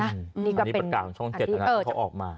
อันนี้ประกาศของช่อง๗นะที่เขาออกมา